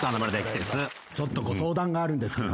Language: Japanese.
ちょっとご相談があるんですけど。